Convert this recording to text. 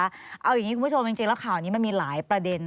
เอาอย่างนี้คุณผู้ชมจริงแล้วข่าวนี้มันมีหลายประเด็น